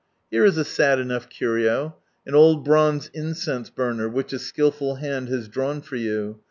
Here is a sad enough curio— an old bronze incense burner, which a skilful hand has drawn for you.